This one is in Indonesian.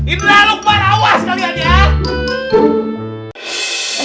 inilah lukman awas kalian ya